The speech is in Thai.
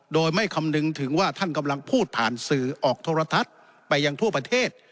โดยไม่คำนึงถึงว่าท่านกำลังพูดผ่านสื่อออกโทรทัศน์ไปยังทั่วประเทศ